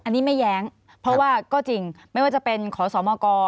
อันนี้ไม่แย้งเพราะว่าก็จริงไม่ว่าจะเป็นขอสมก